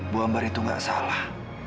bu ambar itu gak salah